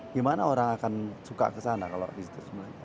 gimana orang akan suka ke sana kalau di situ semuanya